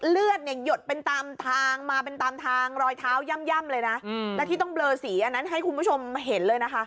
เลือดเนี่ยหยดเป็นตามทางมาเป็นตามทางรอยเท้าย่ำเลยนะแล้วที่ต้องเบลอสีอันนั้นให้คุณผู้ชมเห็นเลยนะคะ